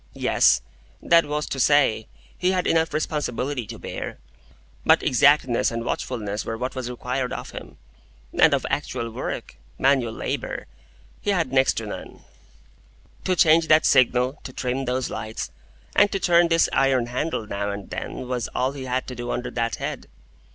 Yes; that was to say, he had enough responsibility to bear; but exactness and watchfulness were what was required of him, and of actual work—manual labour—he had next to none. To change that signal, to trim those lights, and to turn this iron handle now and then, was all he had to do under that head.